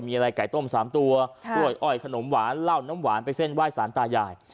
มีอะไรไก่ต้ม๓ตัวกล้วยอ้อยขนมหวานเหล้าน้ำหวานไปเส้นไหว้สารตายาย